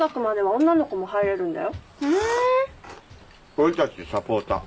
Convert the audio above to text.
俺たちサポーター。